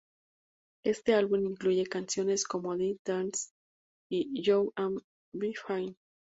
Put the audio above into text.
Este álbum incluye canciones como"Death Dance" y "You'll Be Fine".